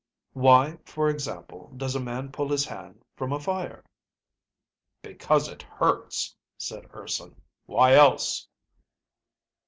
"Why, for example, does a man pull his hand from a fire?" "Because it hurts," said Urson. "Why else?"